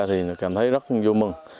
thì cảm thấy rất vui mừng